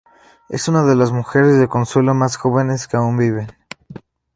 Es una de las mujeres de consuelo más jóvenes que aún viven.